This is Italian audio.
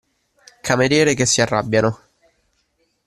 Cameriere che si arrabbiano